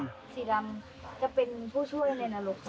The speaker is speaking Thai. สีดำ